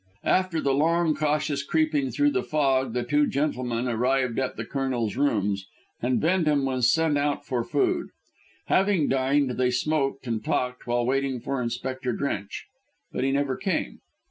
After the long, cautious creeping through the fog the two gentlemen arrived at the Colonel's rooms, and Bendham was sent out for food. Having dined, they smoked and talked while waiting for Inspector Drench. But he never came.